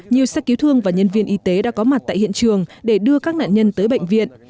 nhiều xe cứu thương và nhân viên y tế đã có mặt tại hiện trường để đưa các nạn nhân tới bệnh viện